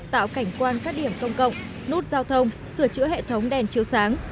tạo cảnh quan các điểm công cộng nút giao thông sửa chữa hệ thống đèn chiếu sáng